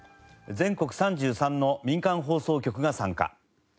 全国３３の民間放送局が参加。